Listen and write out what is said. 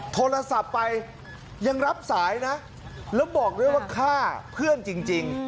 โทรศัพท์ไปยังรับสายนะแล้วบอกด้วยว่าฆ่าเพื่อนจริง